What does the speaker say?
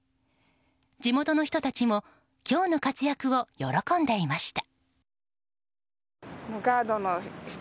地元の人たちも今日の活躍を喜んでいました。